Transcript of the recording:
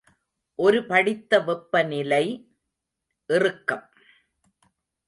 ஒரு படித்த வெப்பநிலை இறுக்கம்.